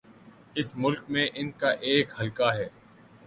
اس ملک میں ان کا ایک حلقہ ہے۔